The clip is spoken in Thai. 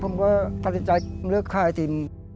ผมก็ตัดสินใจกำเลิฟข้าวไอติม